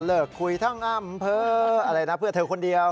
เลิกคุยทั้งอำเภออะไรนะเพื่อเธอคนเดียว